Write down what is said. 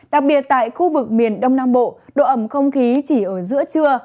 đặc biệt tại khu vực miền đông nam bộ độ ẩm không khí chỉ ở giữa trưa